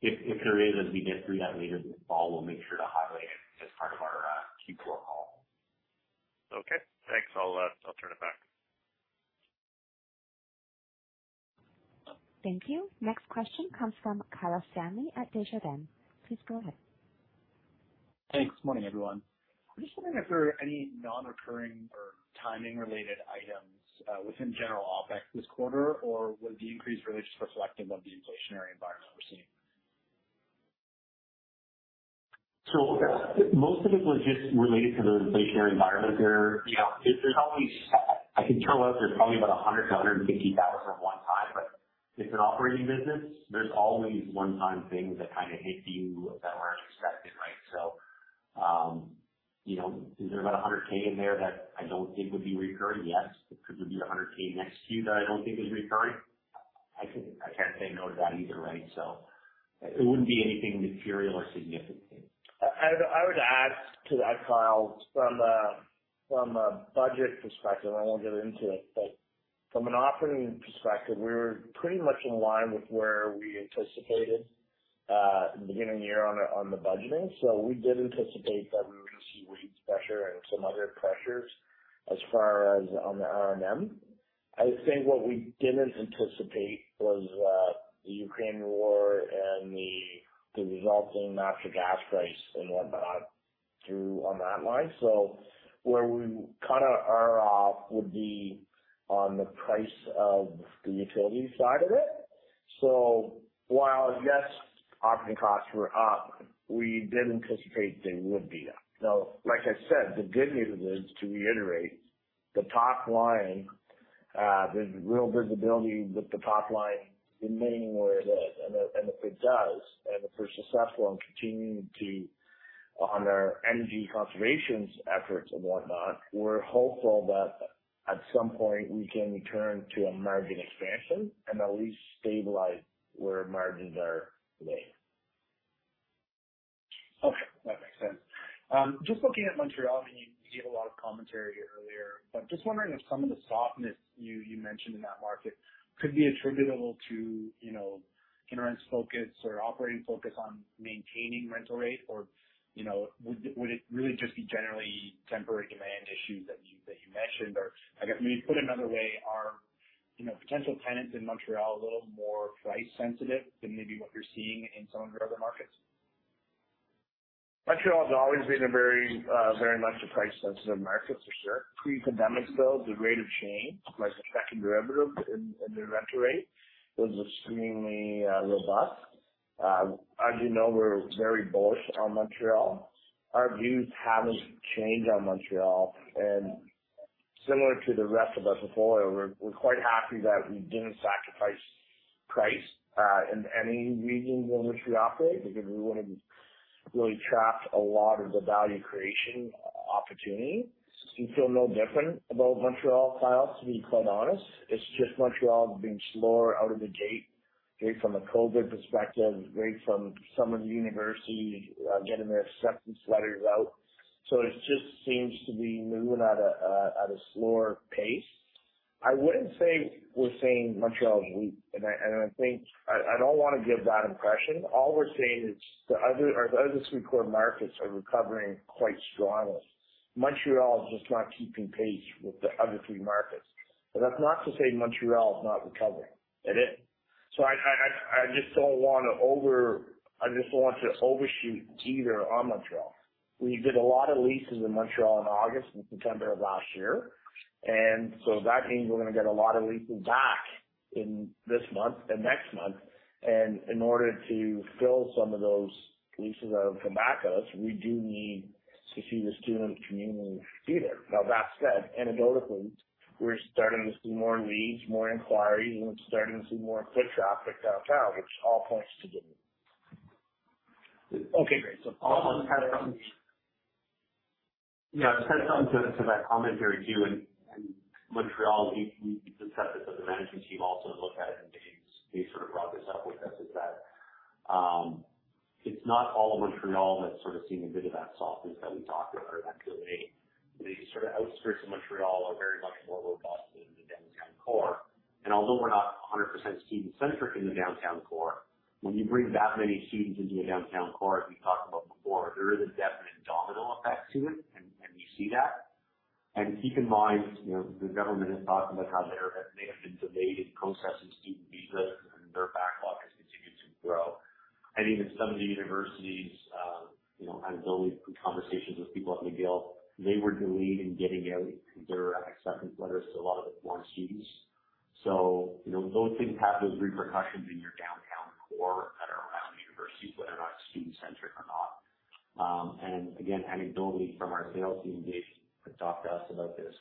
If there is, as we get through that later this fall, we'll make sure to highlight it as part of our Q4 call. Okay. Thanks. I'll turn it back. Thank you. Next question comes from Kyle Stanley at Desjardins. Please go ahead. Thanks. Morning, everyone. I'm just wondering if there are any non-recurring or timing-related items within general OpEx this quarter? Or was the increase really just reflective of the inflationary environment we're seeing? Most of it was just related to the inflationary environment there. There's always. I can total up, there's probably about 100 thousand-150 thousand dollars one time, but it's an operating business. There's always one time things that kind of hit you that weren't expected, right? Is there about 100 K in there that I don't think would be recurring? Yes. Could there be 100 K next Q that I don't think is recurring? I can't say no to that either, right? It wouldn't be anything material or significant. I would add to that, Kyle, from a budget perspective, I won't get into it, but from an operating perspective, we were pretty much in line with where we anticipated, beginning of the year on the budgeting. We did anticipate that we were going to see wage pressure and some other pressures as far as on the R&M. I think what we didn't anticipate was the Ukraine war and the resulting natural gas price and whatnot flow-through on that line. Where we kinda are off would be on the price of the utility side of it. While, yes, operating costs were up, we did anticipate they would be up. Now, like I said, the good news is, to reiterate, the top line, there's real visibility that the top line remaining where it is. If we're successful in continuing our energy conservation efforts and whatnot, we're hopeful that at some point we can return to a margin expansion and at least stabilize where margins are today. Okay, that makes sense. Just looking at Montreal, I mean, you gave a lot of commentary earlier, but just wondering if some of the softness you mentioned in that market could be attributable to, you know, InterRent's focus or operating focus on maintaining rental rate. You know, would it really just be generally temporary demand issues that you mentioned? I guess maybe put another way, are, you know, potential tenants in Montreal a little more price sensitive than maybe what you're seeing in some of your other markets? Montreal has always been a very much a price sensitive market for sure. Pre-pandemic though, the rate of change, like the second derivative in the rental rate was extremely robust. As you know, we're very bullish on Montreal. Our views haven't changed on Montreal, and similar to the rest of the portfolio, we're quite happy that we didn't sacrifice price in any regions in which we operate, because we would've really trapped a lot of the value creation opportunity. We feel no different about Montreal, Kyle, to be quite honest. It's just Montreal being slower out of the gate. Be it from a COVID perspective, be it from some of the universities getting their acceptance letters out. It just seems to be moving at a slower pace. I wouldn't say we're saying Montreal is weak, and I think I don't wanna give that impression. All we're saying is our other three core markets are recovering quite strongly. Montreal is just not keeping pace with the other three markets. That's not to say Montreal is not recovering. It is. I just don't want to overshoot either on Montreal. We did a lot of leases in Montreal in August and September of last year, and so that means we're gonna get a lot of leases back in this month and next month. In order to fill some of those leases that are coming back to us, we do need to see the student community here. Now, that said, anecdotally, we're starting to see more leads, more inquiries, and we're starting to see more foot traffic downtown, which all points to good news. Okay, great. I'll hand it off to you. Yeah. To add something to that commentary too, and Montreal, we discussed this with the management team also to look at it, and Dave sort of brought this up with us, is that it's not all of Montreal that's sort of seeing a bit of that softness that we talked about earlier. The sort of outskirts of Montreal are very much more robust than the downtown core. Although we're not 100% student centric in the downtown core, when you bring that many students into your downtown core, as we talked about before, there is a definite domino effect to it. We see that. Keep in mind, you know, the government is talking about how they're they have been delayed in processing student visas and their backlog has continued to grow. Even some of the universities, you know, anecdotally from conversations with people at McGill, they were delayed in getting out their acceptance letters to a lot of the foreign students. You know, those things have those repercussions in your downtown core that are around universities, whether or not student centric or not. Again, anecdotally from our sales team, Dave had talked to us about this,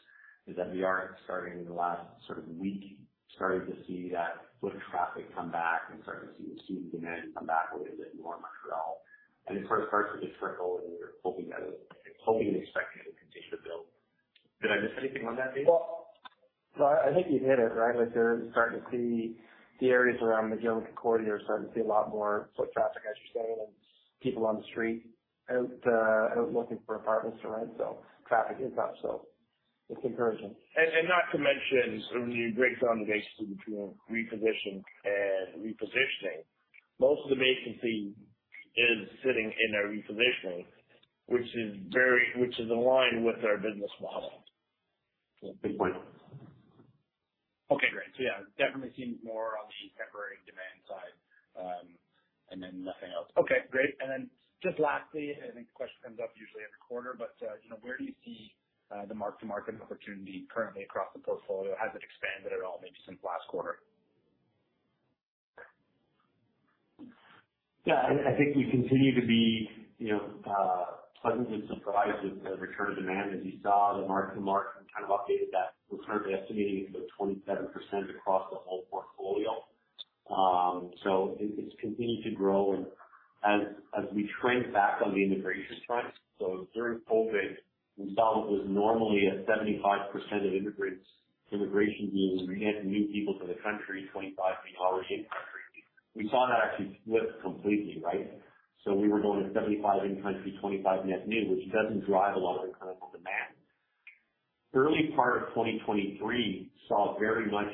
is that we are starting in the last sort of week, starting to see that foot traffic come back and starting to see the student demand come back a little bit more in Montreal. It sort of starts with a trickle, and we're hoping and expecting it to continue to build. Did I miss anything on that, Dave? Well, no, I think you hit it right. Like you're starting to see the areas around McGill and Concordia are starting to see a lot more foot traffic, as you're saying, and people on the street out looking for apartments to rent. So traffic is up, so it's encouraging. And not to mention, when you break it down the difference between reposition and repositioning, most of the vacancy is sitting in our repositioning, which is aligned with our business model. Good point. Okay, great. Yeah, definitely seems more on the temporary demand side, and then nothing else. Okay, great. Then just lastly, I think the question comes up usually every quarter, but, you know, where do you see, the mark-to-market opportunity currently across the portfolio? Has it expanded at all maybe since last quarter? Yeah. I think we continue to be, you know, pleasantly surprised with the return of demand. As you saw, the mark-to-market, we kind of updated that. We're currently estimating it's about 27% across the whole portfolio. It's continued to grow and as we trend back on the immigration front. During COVID we saw what was normally a 75% of immigrants, immigration being net new people to the country, 25 being already in-country. We saw that actually flip completely, right? We were going at 75 in-country, 25 net new, which doesn't drive a lot of economic demand. Early part of 2023 saw very much.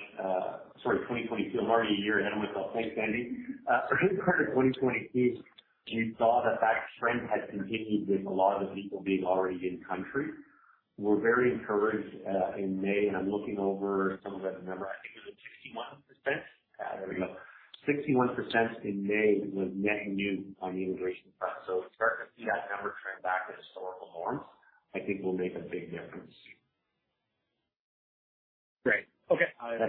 Sorry, 2022. I'm already a year ahead of myself. Thanks, Sandy Rose. Early part of 2022, we saw that trend had continued with a lot of the people being already in-country. We're very encouraged in May, and I'm looking over some of that number. I think it was 61%. Yeah, there we go. 61% in May was net new on the immigration front. Starting to see that number trend back to historical norms I think will make a big difference. Great. Okay. We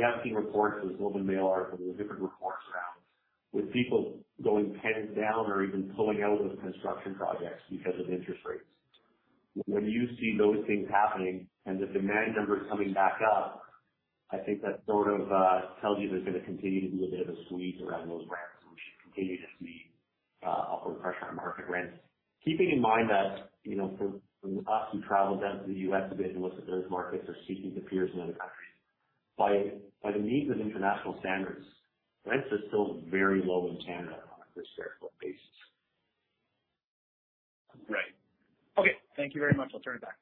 have seen reports, those The Globe and Mail articles. There's different reports around with people going pinned down or even pulling out of construction projects because of interest rates. When you see those things happening and the demand numbers coming back up, I think that sort of tells you there's gonna continue to be a bit of a squeeze around those rents, and we should continue to see upward pressure on market rents. Keeping in mind that, you know, for us who travel down to the US a bit and look at those markets or see its peers in other countries, by any measure of international standards, rents are still very low in Canada on a per sq ft basis. Right. Okay. Thank you very much. I'll turn it back.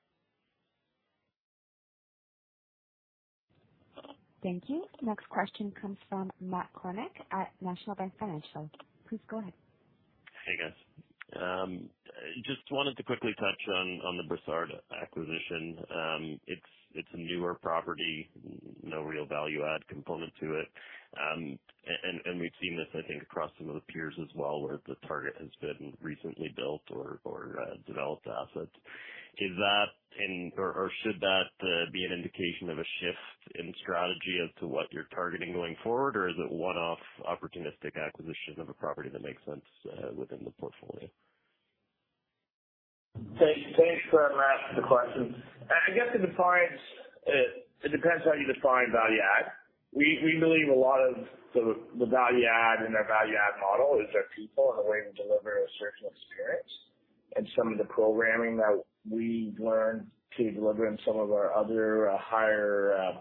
Thank you. Next question comes from Matt Kornack at National Bank Financial. Please go ahead. Hey, guys. Just wanted to quickly touch on the Brossard acquisition. It's a newer property. No real value add component to it. And we've seen this, I think, across some of the peers as well, where the target has been recently built or developed assets. Is that or should that be an indication of a shift in strategy as to what you're targeting going forward? Or is it one-off opportunistic acquisition of a property that makes sense within the portfolio? Thanks. Thanks for asking the question. I guess it depends how you define value add. We believe a lot of the value add in our value add model is our people and the way we deliver a certain experience and some of the programming that we've learned to deliver in some of our other higher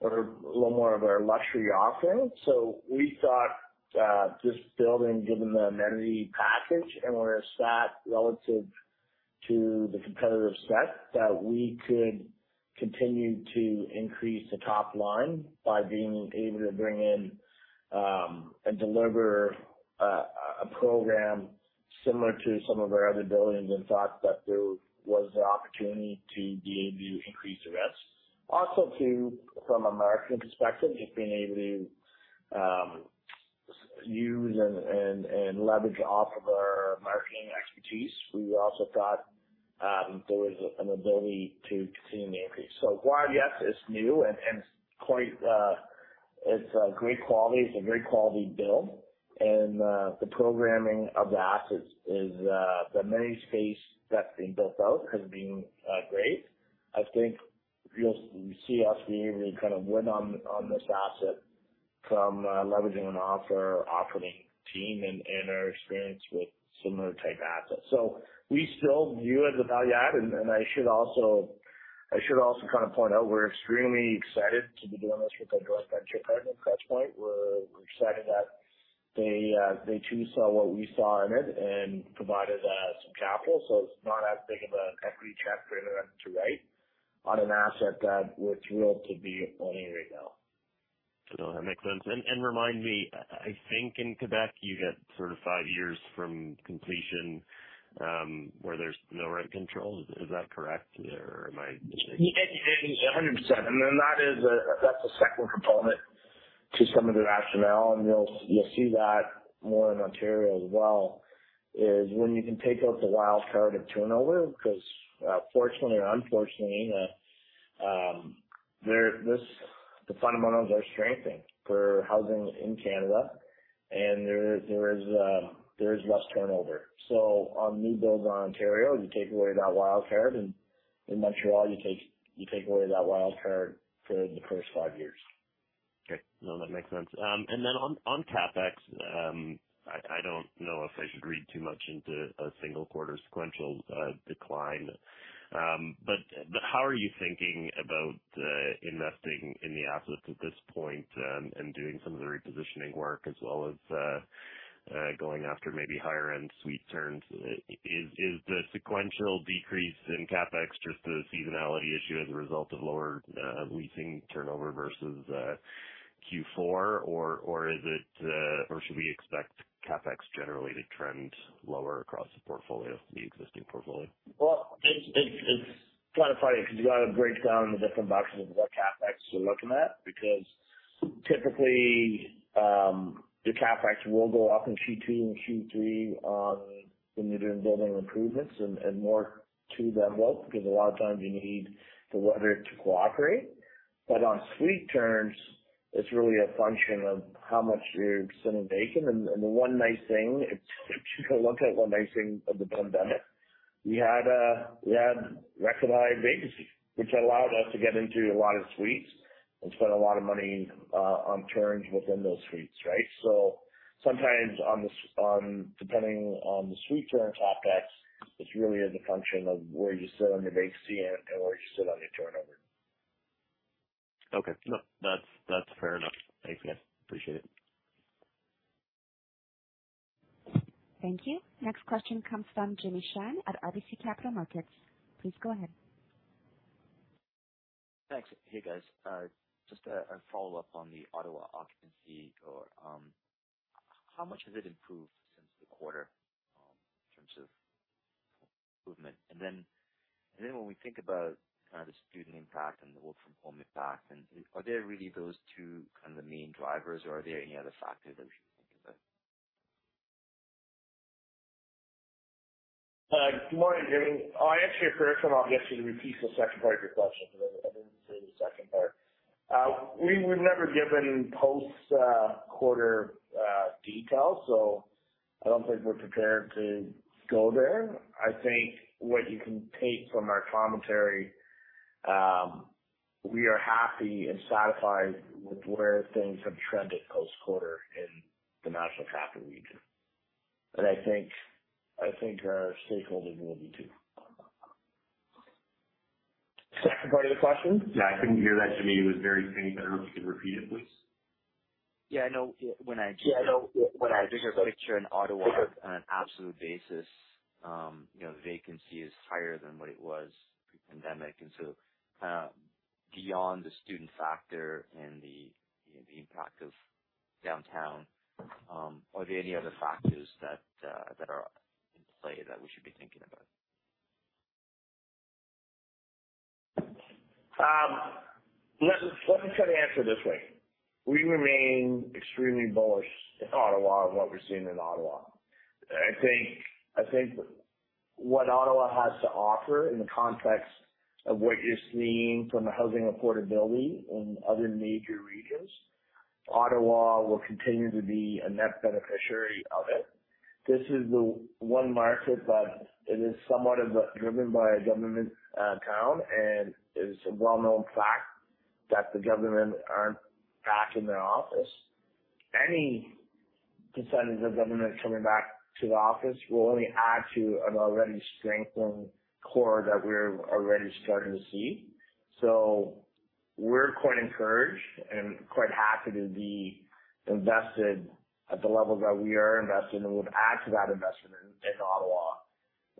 or a little more of our luxury offerings. We thought this building, given the amenity package and where it sat relative to the competitive set, that we could continue to increase the top line by being able to bring in and deliver a program similar to some of our other buildings and thought that there was an opportunity to be able to increase the rents. From a marketing perspective, just being able to use and leverage off of our marketing expertise. We also thought there was an ability to continue to increase. While, yes, it's new and quite, it's a great quality, it's a very quality build and the programming of the assets is the amenity space that's being built out has been great. I think you'll see us being able to kind of win on this asset from leveraging off our operating team and our experience with similar type assets. We still view it as a value add. I should also kind of point out we're extremely excited to be doing this with our joint venture partner, Touchstone. We're excited that they too saw what we saw in it and provided some capital. It's not as big of an equity check for InterRent to write on an asset that we're thrilled to be owning right now. No, that makes sense. Remind me, I think in Quebec you get sort of five years from completion, where there's no rent control. Is that correct or am I mistaken? Yeah, yeah. 100%. Then that's a second component to some of the rationale and you'll see that more in Ontario as well, is when you can take out the wild card of turnover because, fortunately or unfortunately, the fundamentals are strengthening for housing in Canada and there is less turnover. On new builds in Ontario, you take away that wild card and in Montreal you take away that wild card for the first five years. Okay. No, that makes sense. On CapEx, I don't know if I should read too much into a single quarter sequential decline. How are you thinking about investing in the assets at this point, and doing some of the repositioning work as well as going after maybe higher end suite turns? Is the sequential decrease in CapEx just a seasonality issue as a result of lower leasing turnover versus Q4? Is it, or should we expect CapEx generally to trend lower across the portfolio from the existing portfolio? Well, it's kind of funny because you gotta break down the different buckets of what CapEx you're looking at, because typically, your CapEx will go up in Q2 and Q3, when you're doing building improvements and more to the envelope, because a lot of times you need the weather to cooperate. But on suite turns, it's really a function of how much you're sitting in vacancy. The one nice thing, if you look at one nice thing of the pandemic, we had record high vacancy, which allowed us to get into a lot of suites and spend a lot of money on turns within those suites, right? Sometimes depending on the suite turn CapEx, it's really as a function of where you sit on your vacancy and where you sit on your turnover. Okay. No, that's fair enough. Thanks, guys. Appreciate it. Thank you. Next question comes from Jimmy Shan at RBC Capital Markets. Please go ahead. Thanks. Hey, guys. Just a follow-up on the Ottawa occupancy or how much has it improved since the quarter, in terms of improvement? Then when we think about kind of the student impact and the work from home impact and are there really those two kind of the main drivers or are there any other factors that we should think about? Good morning, Jimmy. I actually encourage someone else to repeat the second part of your question because we would never give any post quarter details. So I don't think we're prepared to go there. I think what you can take from our commentary, we are happy and satisfied with where things have trended post-quarter in the National Capital Region. I think our stakeholders will be too. Second part of the question? Yeah, I couldn't hear that. To me, it was very faint, but I don't know if you can repeat it, please. Yeah, I know. Yeah, I know. Bigger picture in Ottawa on an absolute basis, you know, vacancy is higher than what it was pre-pandemic. Beyond the student factor and the impact of downtown, are there any other factors that are in play that we should be thinking about? Let me try to answer this way. We remain extremely bullish in Ottawa on what we're seeing in Ottawa. I think what Ottawa has to offer in the context of what you're seeing from a housing affordability in other major regions, Ottawa will continue to be a net beneficiary of it. This is the one market that it is somewhat of a driven by a government town, and it is a well-known fact that the government aren't back in their office. Any signs of government coming back to the office will only add to an already strengthened core that we're already starting to see. We're quite encouraged and quite happy to be invested at the levels that we are investing, and we've added to that investment in Ottawa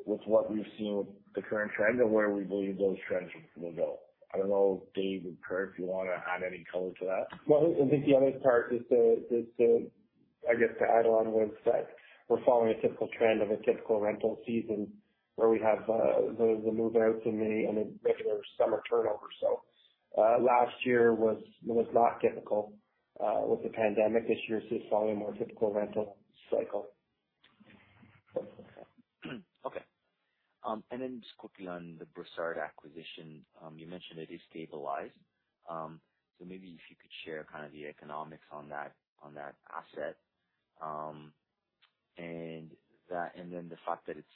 with what we've seen with the current trend and where we believe those trends will go. I don't know, Dave and Curt, if you wanna add any color to that. Well, I think the only part I guess to add on was that we're following a typical trend of a typical rental season where we have the move-outs in May and a regular summer turnover. Last year was not typical with the pandemic. This year seems to follow a more typical rental cycle. Okay. Just quickly on the Brossard acquisition, you mentioned it is stabilized. Maybe if you could share kind of the economics on that, on that asset. And then the fact that it's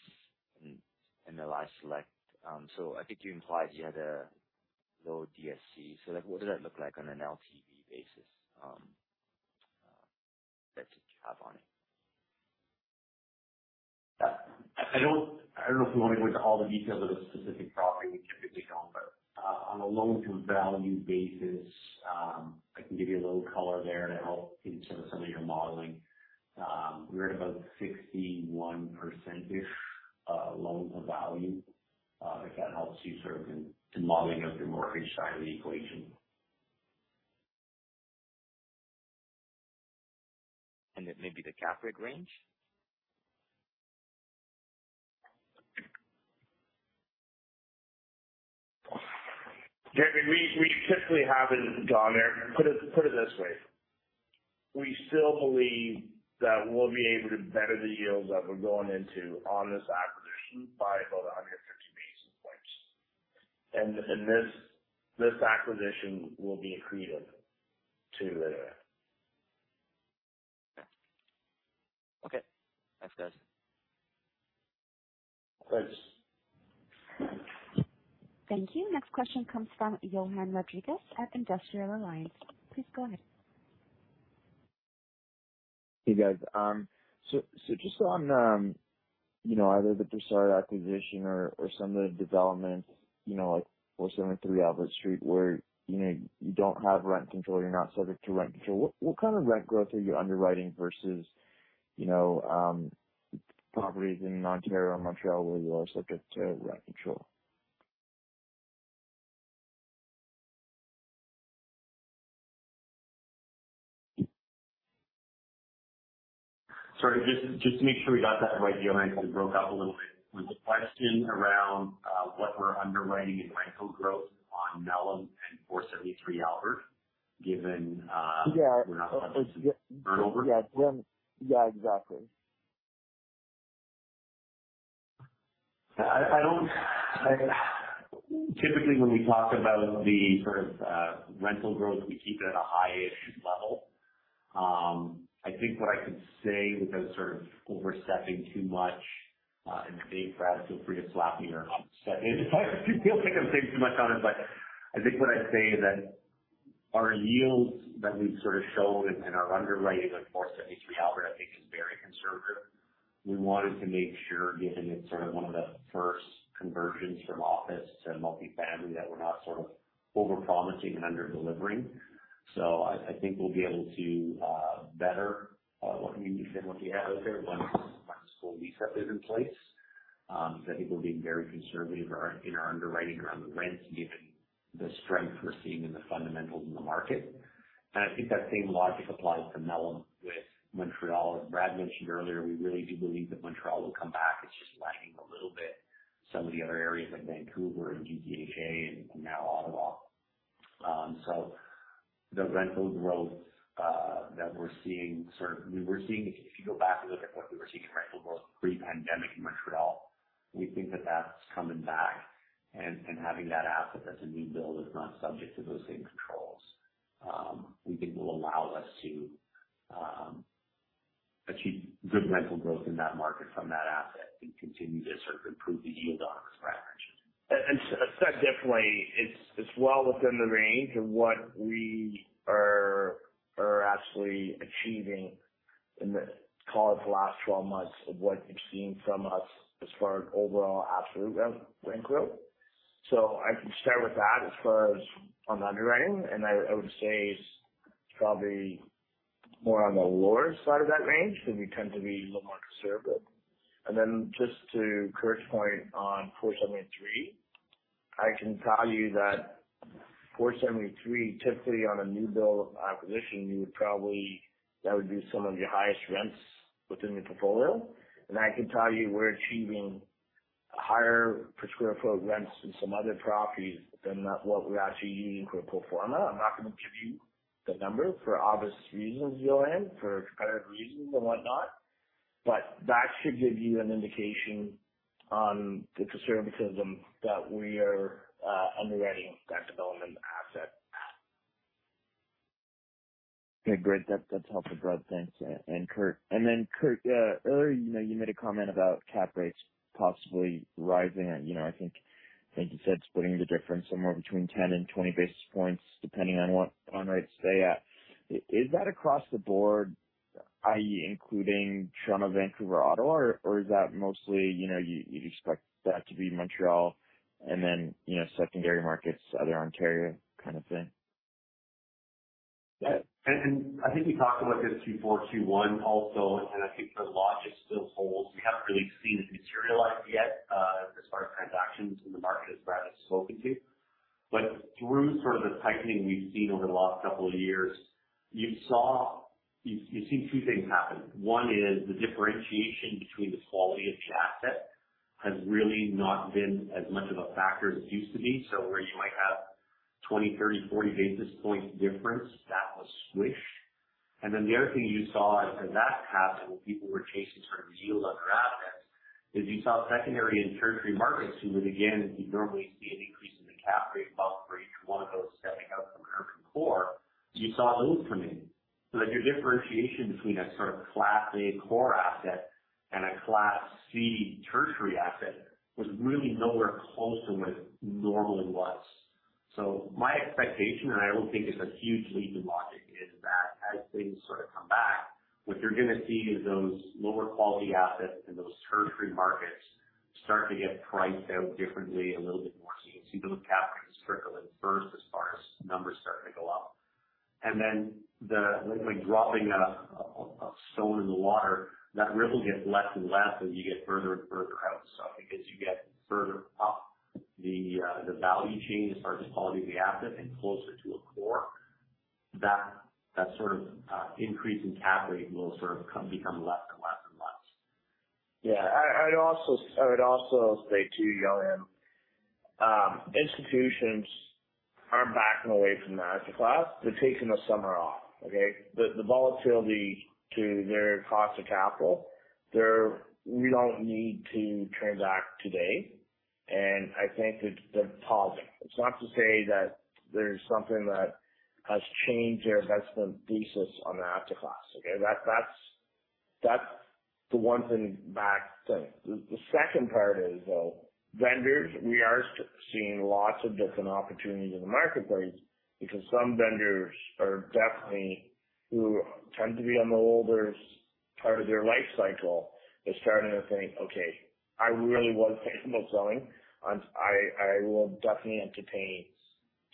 in MLI Select. I think you implied you had a low DSC. Like, what does that look like on an LTV basis, that you have on it? I don't know if you want me to go into all the details of the specific property. We typically don't. On a loan-to-value basis, I can give you a little color there to help in terms of some of your modeling. We're at about 61%-ish loan-to-value if that helps you sort of in modeling of the mortgage side of the equation. Maybe the cap rate range? Kevin, we typically haven't gone there. Put it this way. We still believe that we'll be able to better the yields that we're going into on this acquisition by about 150 basis points. This acquisition will be accretive to the Okay. Thanks, guys. Thanks. Thank you. Next question comes from Yohann Rodriguez at Industrial Alliance. Please go ahead. Hey, guys. So just on you know, either the Brossard acquisition or some of the developments, you know, like 473 Albert Street, where you know, you don't have rent control, you're not subject to rent control. What kind of rent growth are you underwriting versus you know, properties in Ontario and Montreal where you are subject to rent control? Sorry, just to make sure we got that right, Yohann, because it broke up a little bit. Was the question around what we're underwriting in rental growth on Mellem and 473 Albert given Yeah. We're not subject to turnover. Yeah. Yeah, exactly. Typically, when we talk about the sort of rental growth, we keep it at a high-ish level. I think what I can say without sort of overstepping too much, and Dave, Brad, feel free to slap me here. I feel like I'm saying too much on it, but I think what I'd say is that our yields that we've sort of shown in our underwriting of 473 Albert, I think is very conservative. We wanted to make sure, given it's sort of one of the first conversions from office to multifamily, that we're not sort of overpromising and under-delivering. I think we'll be able to better what we said, what we have out there once full lease-up is in place. I think we're being very conservative in our underwriting around the rents given the strength we're seeing in the fundamentals in the market. I think that same logic applies to Mellem with Montreal. As Brad mentioned earlier, we really do believe that Montreal will come back. It's just lagging a little bit some of the other areas like Vancouver and GTHA and now Ottawa. The rental growth that we're seeing if you go back and look at what we were seeing in rental growth pre-pandemic in Montreal we think that that's coming back, and having that asset as a new build is not subject to those same controls. We think will allow us to achieve good rental growth in that market from that asset and continue to sort of improve the yield on those properties. Definitely it's well within the range of what we are actually achieving in the call it the last 12 months of what you've seen from us as far as overall absolute re-rent growth. I can start with that as far as on underwriting, and I would say it's probably more on the lower side of that range because we tend to be a little more conservative. Just to Curt's point on 473, I can tell you that 473 typically on a new build acquisition, you would probably. That would be some of your highest rents within the portfolio. I can tell you we're achieving higher per square foot rents in some other properties than what we're actually needing for a pro forma. I'm not gonna give you the numbers for obvious reasons, Yohann, for competitive reasons and whatnot, but that should give you an indication on the conservatism that we are underwriting that development asset. Okay, great. That's helpful, Brad. Thanks. Curt, earlier, you know, you made a comment about cap rates possibly rising. You know, I think you said splitting the difference somewhere between 10 and 20 basis points, depending on what bond rates stay at. Is that across the board, i.e., including Toronto, Vancouver, Ottawa, or is that mostly, you know, you'd expect that to be Montreal and then, you know, secondary markets, other Ontario kind of thing? I think we talked about this Q4, Q1 also, and I think the logic still holds. We haven't really seen it materialize yet, as far as transactions in the market as Brad has spoken to. Through sort of the tightening we've seen over the last couple of years, you've seen two things happen. One is the differentiation between the quality of the asset has really not been as much of a factor as it used to be. Where you might have 20, 30, 40 basis points difference, that was squished. The other thing you saw as that happened, when people were chasing sort of yield on their assets, is you saw secondary and tertiary markets who would again, you'd normally see an increase in the cap rate A B-grade for one of those stemming out from urban core, you saw those coming. Your differentiation between a sort of class A core asset and a class C tertiary asset was really nowhere close to what it normally was. My expectation, and I don't think it's a huge leap in logic, is that as things sort of come back, what you're gonna see is those lower quality assets in those tertiary markets start to get priced out differently a little bit more. You can see those cap rates trickle in first as far as numbers starting to go up. Like dropping a stone in the water, that ripple gets less and less as you get further and further out. Because you get further up the value chain as far as the quality of the asset and closer to a core, that sort of increase in cap rate will sort of become less and less and less. I'd also say too, Yohann, institutions aren't backing away from the asset class. They're taking the summer off, okay? The volatility to their cost of capital. We don't need to transact today. I think the pause. It's not to say that there's something that has changed their investment thesis on the asset class, okay? That's the one thing. The second thing. The second part is, though, vendors. We are seeing lots of different opportunities in the marketplace because some vendors are definitely, who tend to be on the older part of their life cycle, they're starting to think, "Okay. I really was thinking about selling. I will definitely entertain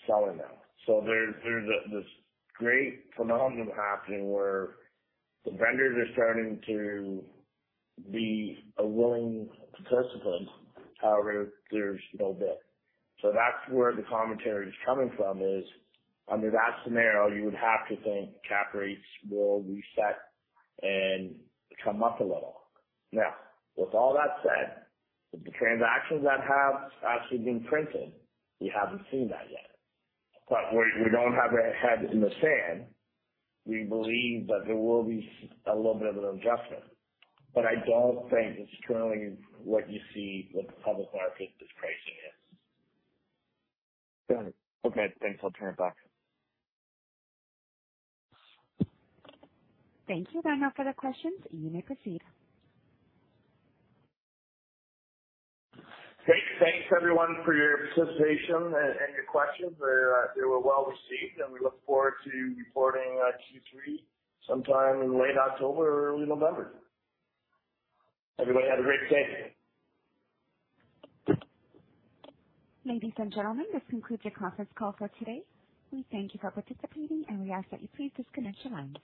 selling now." So there's this great phenomenon happening where the vendors are starting to be a willing participant. However, there's no bid. That's where the commentary is coming from, it's under that scenario, you would have to think cap rates will reset and come up a little. Now, with all that said, with the transactions that have actually been printed, we haven't seen that yet. We don't have our head in the sand. We believe that there will be a little bit of an adjustment. I don't think it's truly what you see, what the public market is pricing in. Got it. Okay. Thanks. I'll turn it back. Thank you. That's all for the questions. You may proceed. Great. Thanks, everyone, for your participation and your questions. They were well received, and we look forward to reporting Q3 sometime in late October or early November. Everybody have a great day. Ladies and gentlemen, this concludes your conference call for today. We thank you for participating, and we ask that you please disconnect your lines.